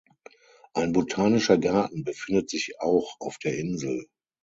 Ein Botanischer Garten befindet sich auch auf der Insel.